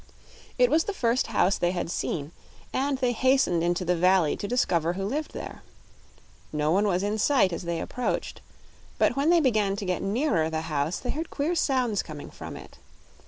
It was the first house they had seen, and they hastened into the valley to discover who lived there. No one was in sight as they approached, but when they began to get nearer the house they heard queer sounds coming from it.